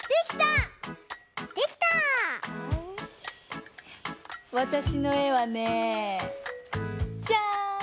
わたしのえはねじゃん！